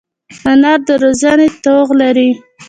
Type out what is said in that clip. انا د روزنې توغ لري